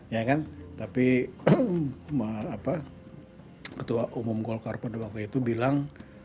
ya kan tapi ketua umum golkar pada waktu itu bilang